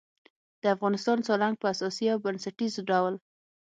د افغانستان سالنګ په اساسي او بنسټیز ډول